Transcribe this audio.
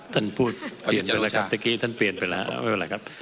ท่านพูดเปลี่ยนไปแล้วครับเมื่อกี้ท่านเปลี่ยนไปแล้วไม่เป็นไรครับ